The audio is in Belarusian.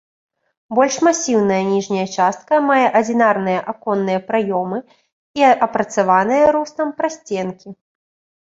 Больш масіўная ніжняя частка мае адзінарныя аконныя праёмы і апрацаваныя рустам прасценкі.